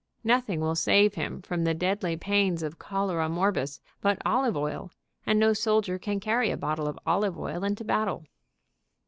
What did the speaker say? Nothing will save him from the deadly pains of chol era morbus, but olive oil, and no soldier can carry a bottle of olive oil into battle.